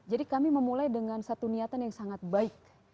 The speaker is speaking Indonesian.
jadi kami memulai dengan satu niatan yang sangat baik